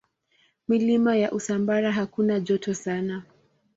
Milima ya Usambara hakuna joto sana.